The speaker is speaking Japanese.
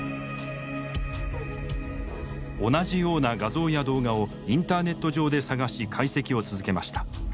同じような画像や動画をインターネット上で探し解析を続けました。